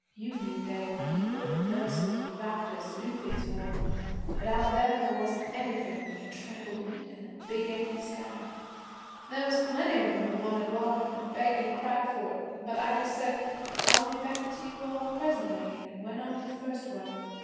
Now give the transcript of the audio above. You knew there were people, nurses and doctors, to do things for 'em; but out there there wasn't anything but the trampled wheat, an' the big empty sky. There was plenty of 'em who wanted water, an' begged an' cried for it; but I just said, "I'll be back to you all presently," an' went on to the first one.